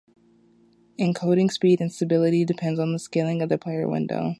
Encoding speed and stability depends on the scaling of the player window.